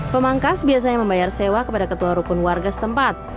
pemangkas biasanya membayar sewa kepada ketua rukun warga setempat